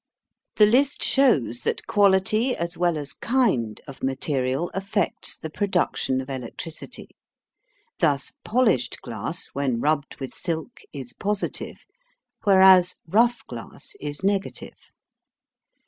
The list shows that quality, as well as kind, of material affects the production of electricity. Thus polished glass when rubbed with silk is positive, whereas rough glass is negative.